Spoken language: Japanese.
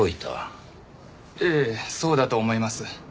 ええそうだと思います。